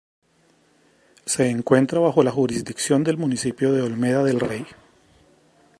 Se encuentra bajo la jurisdicción del municipio de Olmeda del Rey.